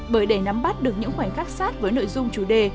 bởi để nắm bắt được những khoảnh khắc sát với nội dung chủ đề